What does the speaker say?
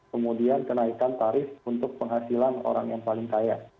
kemudian kenaikan tarif untuk penghasilan orang yang paling kaya